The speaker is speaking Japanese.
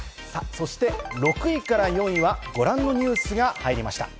そして６位から４位はご覧のニュースが入りました。